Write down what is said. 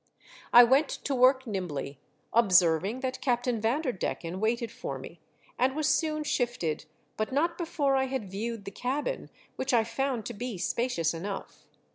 I went to work nimbly, observing that Captain Vanderdecken waited H 98 THE DEATH SHIP. for me, and was soon shifted, but not before 1 had viewed the cabin, which I found to be spacious enough.